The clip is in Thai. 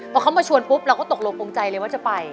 พอเขามาชวนปุ๊บเราก็ตกลงปงใจเลยว่าจะไป